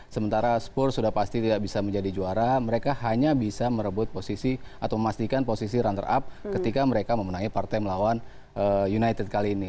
sementara spur sudah pasti tidak bisa menjadi juara mereka hanya bisa merebut posisi atau memastikan posisi runner up ketika mereka memenangi partai melawan united kali ini